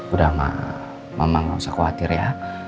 udah mba mama gak usah khawatir ya